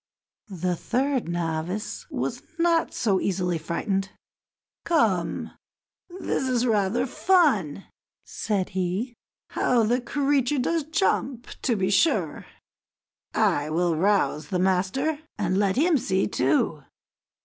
The third novice was not so easily frightened. "Come, this is rather fun," said he; "how the creature does jump, to be sure! I will rouse the master, and let him see, too."